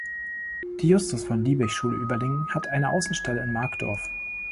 Die Justus-von-Liebig-Schule Überlingen hat eine Außenstelle in Markdorf.